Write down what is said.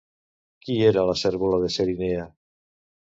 Qui era la cérvola de Cerinea?